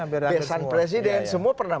biasan presiden semua pernah